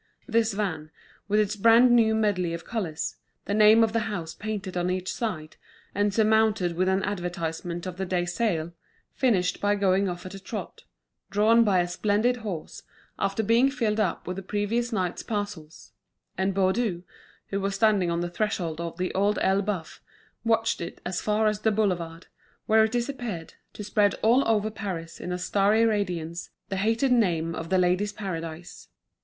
This van, with its brand new medley of colours, the name of the house painted on each side, and surmounted with an advertisement of the day's sale, finished by going off at a trot, drawn by a splendid horse, after being filled up with the previous night's parcels; and Baudu, who was standing on the threshold of The Old Elbeuf, watched it as far as the boulevard, where it disappeared, to spread all over Paris in a starry radiance the hated name of The Ladies' Paradise.